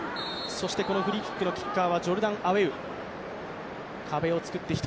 そしてこのフリーキックのキッカーはジョルダン・アイェウ。